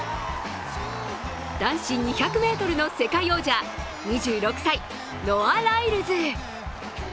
男子２００ｍの世界王者、２６歳ノア・ライルズ。